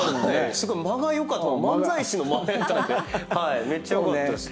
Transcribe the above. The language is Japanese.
すごい間が良かった漫才師の間みたいでめっちゃよかったです。